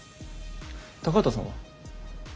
高畑さんは？